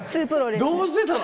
どうしてたの？